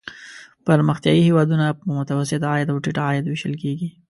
پرمختیايي هېوادونه په متوسط عاید او ټیټ عاید ویشل کیږي.